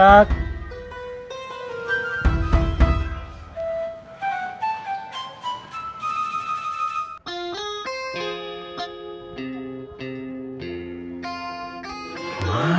assalamualaikum pak ustadz